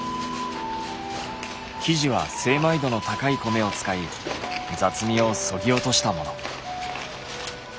生地は精米度の高い米を使い雑味をそぎ落としたもの。